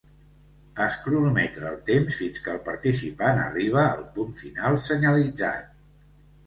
Es cronometra el temps fins que el participant arriba al punt final senyalitzat.